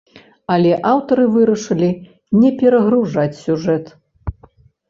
Але аўтары вырашылі не перагружаць сюжэт.